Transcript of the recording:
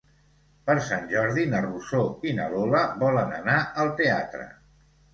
Per Sant Jordi na Rosó i na Lola volen anar al teatre.